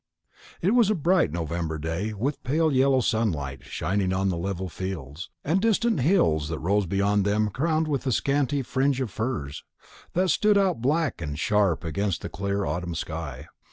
It was a bright November day, with a pale yellow sunlight shining on the level fields, and distant hills that rose beyond them crowned with a scanty fringe of firs, that stood out black and sharp against the clear autumn sky.